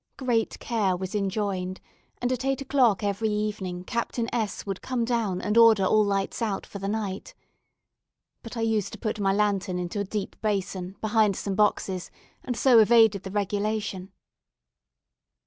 Great care was enjoined, and at eight o'clock every evening Captain S would come down, and order all lights out for the night. But I used to put my lantern into a deep basin, behind some boxes, and so evaded the regulation.